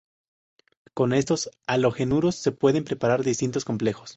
Con estos halogenuros se pueden preparar distintos complejos.